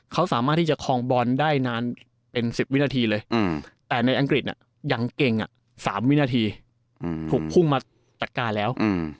เขาสามารถที่จะคลองบอลได้นานเป็น๑๐วินาทีเลยแต่ในอังกฤษยังเก่ง๓วินาทีถูกพุ่งมาจากการแล้ว